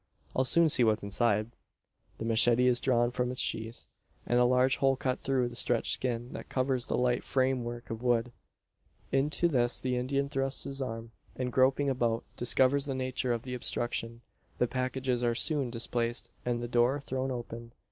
I'll soon see what's inside." The machete is drawn from its sheath; and a large hole cut through the stretched skin, that covers the light framework of wood. Into this the Indian thrusts his arm; and groping about, discovers the nature of the obstruction. The packages are soon displaced, and the door thrown open.